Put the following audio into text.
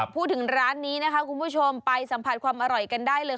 พูดถึงร้านนี้นะคะคุณผู้ชมไปสัมผัสความอร่อยกันได้เลย